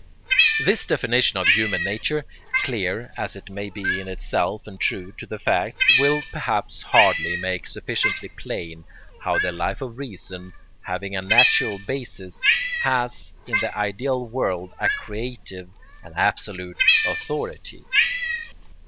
] This definition of human nature, clear as it may be in itself and true to the facts, will perhaps hardly make sufficiently plain how the Life of Reason, having a natural basis, has in the ideal world a creative and absolute authority.